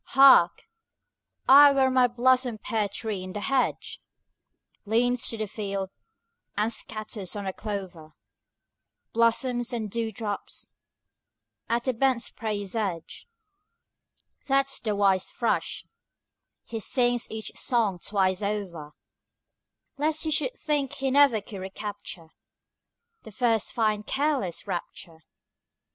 10 Hark, where my blossomed pear tree in the hedge Leans to the field and scatters on the clover Blossoms and dewdrops at the bent spray's edge That's the wise thrush; he sings each song twice over, Lest you should think he never could recapture 15 The first fine careless rapture!